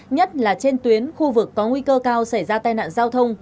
nhất là trên tuyến khu vực có nguy cơ cao xảy ra tai nạn giao thông